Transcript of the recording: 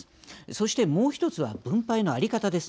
そしてもう一つは分配の在り方です。